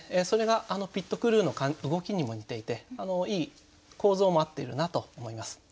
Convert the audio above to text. それがあのピットクルーの動きにも似ていていい構造も合っているなと思います。